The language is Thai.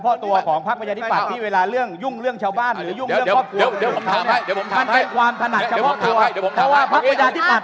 เพราะว่าพรรควริยาธิบัตรเนี่ย